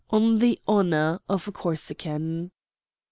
On the honor of a Corsican."